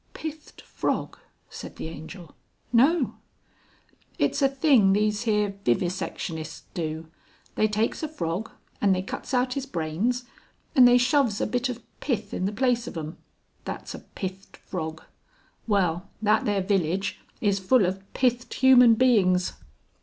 "Pithed frog," said the Angel. "No!" "It's a thing these here vivisectionists do. They takes a frog and they cuts out his brains and they shoves a bit of pith in the place of 'em. That's a pithed frog. Well that there village is full of pithed human beings."